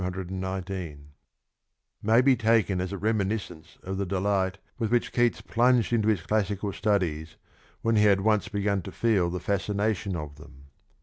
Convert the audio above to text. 219) may be taken as a reminiscence of the delight with which Keats plunged into his classical studies when he had once beeun to feel the fascination of them.